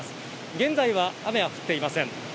現在は雨は降っていません。